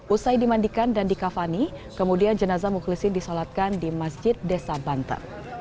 usai dimandikan dan dikavani kemudian jenazah mukhlisin disolatkan di masjid desa banten